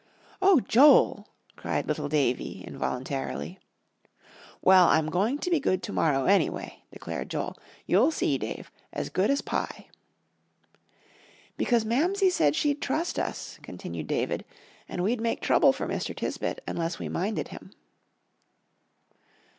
"Oh, Joel," cried little Davie, involuntarily. "Well, I'm going to be good to morrow, anyway," declared Joel. "You'll see, Dave; as good as pie." "Because Mamsie said she'd trust us," continued David, "and we'd make trouble for Mr. Tisbett unless we minded him."